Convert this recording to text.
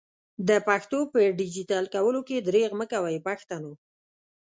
د پښتو په ډيجيټل کولو کي درېغ مکوئ پښتنو!